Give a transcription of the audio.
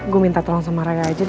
gue minta tolong sama raya aja deh